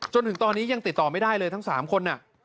จนถึงตอนนี้ยังติดต่อไม่ได้เลยทั้ง๓คน